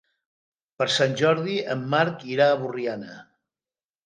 Per Sant Jordi en Marc irà a Borriana.